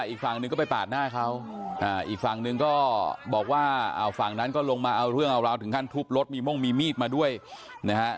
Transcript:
อีกฝั่งหนึ่งก็ไปปาดหน้าเขาอีกฝั่งหนึ่งก็บอกว่าฝั่งนั้นก็ลงมาเอาเรื่องเอาราวถึงขั้นทุบรถมีม่วงมีมีดมาด้วยนะฮะ